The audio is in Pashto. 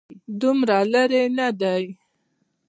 دومره لرې نه دی.